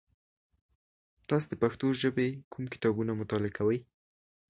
تاسو د پښتو ژبې کوم کتابونه مطالعه کوی؟